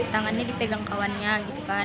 tangannya dipegang kawannya gitu kan